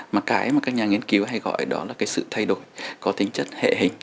mà cái mà các nhà nghiên cứu hay gọi đó là cái sự thay đổi có tính chất hệ hình